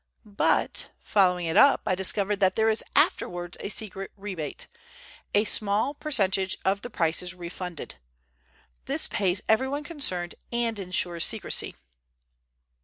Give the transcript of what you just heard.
But, following it up, I discovered that there is afterwards a secret rebate. A small percentage of the price is refunded. This pays everyone concerned and ensures secrecy."